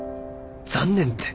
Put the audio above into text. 残念って。